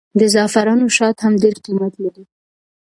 د زعفرانو شات هم ډېر قیمت لري.